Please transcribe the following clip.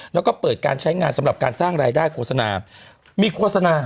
แล้วก็เปิดการใช้งานสำหรับการสร้างรายได้โฆษณามีโฆษณา